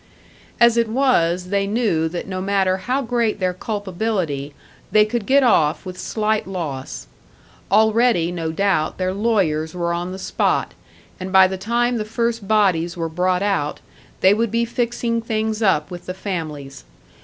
As it was, they knew that no matter how great their culpability, they could get off with slight loss. Already, no doubt, their lawyers were on the spot, and by the time the first bodies were brought out, they would be fixing things up with the families.